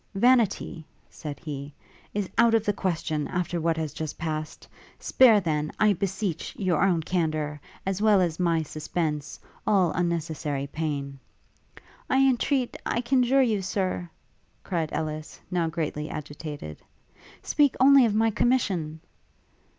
'Vanity,' said he, 'is out of the question, after what has just passed; spare then, I beseech, your own candour, as well as my suspense, all unnecessary pain.' 'I entreat, I conjure you, Sir,' cried Ellis, now greatly agitated, 'speak only of my commission!'